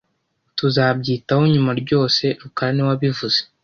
Tuzabyitaho nyuma ryose rukara niwe wabivuze